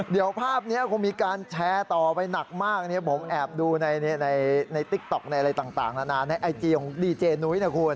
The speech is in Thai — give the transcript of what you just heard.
เดี๋ยวภาพเนี้ยคงมีการแชร์ต่อไปหนักมากเนี้ยผมแอบดูในในในในติ๊กต๊อกในอะไรต่างต่างแล้วนานในไอจีย์ของดีเจนุ้ยนะคุณ